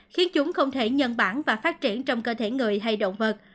khiến chúng không thể nhân bản và phát triển trong cơ thể người hay động vật